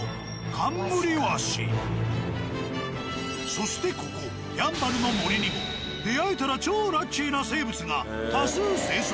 そしてここやんばるの森にも出会えたら超ラッキーな生物が多数生息。